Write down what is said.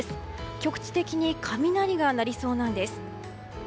局地的に雷が鳴りそうなんです。